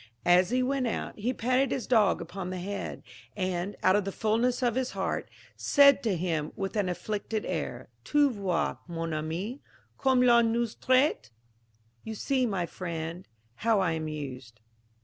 As he went out, he patted his dog upon the head, and, out of the fulness of his heart, said to him with an afflicted air, "Tu vois, mon ami, comme l'on nous traite, You see, my friend, how I am used."